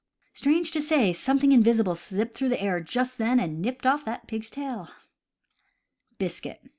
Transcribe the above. Strange to say, something invisible zipped through the air just then and nipped off that pig's tail ! Biscuit.